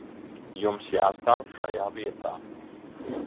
Jums jāstāv šajā vietā.